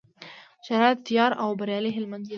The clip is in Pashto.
شریعت یار او بریالي هلمند یې زیات یادول.